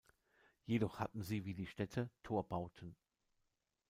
Jedoch hatten sie wie die Städte Torbauten.